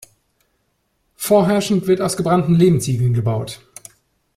Vorherrschend wird aus gebrannten Lehmziegeln gebaut.